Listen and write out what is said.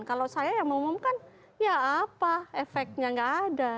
kalau saya yang mengumumkan ya apa efeknya nggak ada